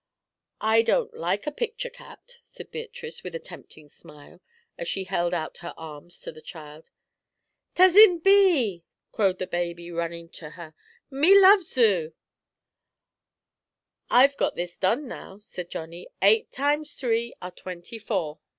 "I don't like a picture cat," said Beatrice, with a tempting smile, as she held out her arms to the child. "Tuzzin Bee!" crowed the baby, running to her, "me loves oo!" "I've got this done now," said Johnny. "Eight times three are twenty four."